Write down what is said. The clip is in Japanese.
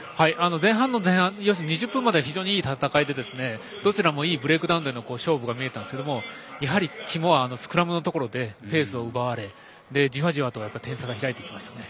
前半の２０分までは非常にいい戦いでどちらもいいブレイクダウンの勝負が見られましたがやはり肝はスクラムで奪われてじわじわ点差が開いてきましたね。